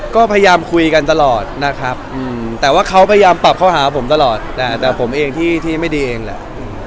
ก็พยายามคุยกันตลอดนะครับแต่ว่าเขาพยายามปรับเข้าหาผมตลอดแต่ผมเองที่ไม่ดีเองแหละ